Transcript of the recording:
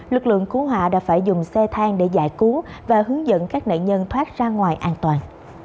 lực lượng cứu hỏa đã phải dùng xe thang để giải cứu và hướng dẫn các nạn nhân thoát ra ngoài an toàn